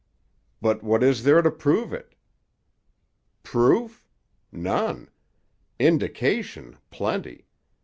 "But what is there to prove it?" "Proof? None. Indication, plenty.